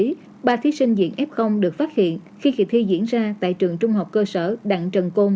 trong đó ba thí sinh diện f được phát hiện khi kỳ thi diễn ra tại trường trung học cơ sở đặng trần côn